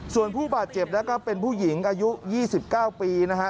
ส่วนผู้บาดเจ็บนะครับเป็นผู้หญิงอายุ๒๙ปีนะฮะ